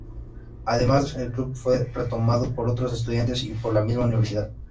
Además, el club fue retomado por otros estudiantes y por la misma Universidad.